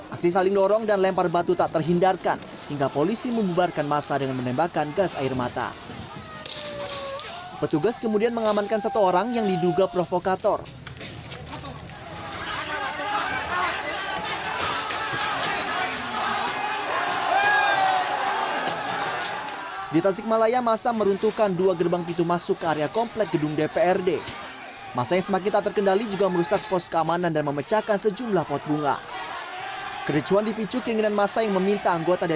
aksi saling dorong dan lempar batu tak terhindarkan hingga polisi membuarkan masa dengan menembakkan gas air mata